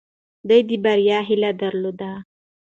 دوی د بري هیله درلودلې.